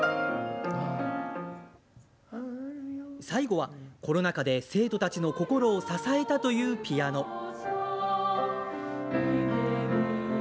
最後は、コロナ禍で生徒たちの心を支えたというピアノ。